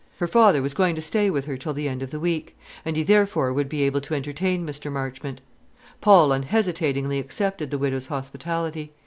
Her father was going to stay with her till the end of the week; and he therefore would be able to entertain Mr. Marchmont. Paul unhesitatingly accepted the widow's hospitality.